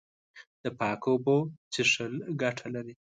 د پاکو اوبو څښل ګټه لري.